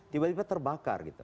tiba tiba terbakar gitu